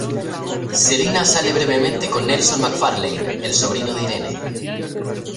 Selina sale brevemente con Nelson McFarlane, el sobrino de Irene.